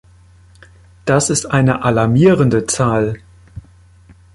Das ist eine alarmierende Zahl.